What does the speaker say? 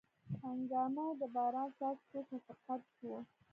هنګامه د باران څاڅکو شفقت و